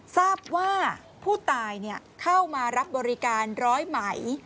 ทราบว่าผู้ตายเข้ามารับบริการร้อยไหม